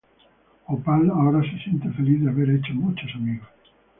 Opal ahora se siente feliz de haber hecho muchos amigos.